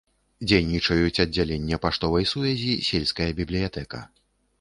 Дзейнічаюць аддзяленне паштовай сувязі, сельская бібліятэка.